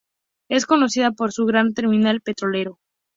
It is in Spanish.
Es conocida por su gran terminal petrolero.